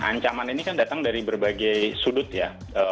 ancaman ini kan datang dari berbagai sudut ya